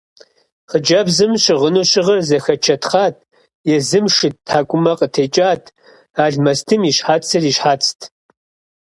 Хъыджэбзым щыгъыну щыгъыр зэхэчэтхъат, езым шыд тхьэкӀумэ къытекӀат, алмэстым и щхьэцыр и щхьэцт.